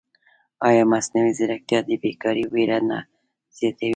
ایا مصنوعي ځیرکتیا د بېکارۍ وېره نه زیاتوي؟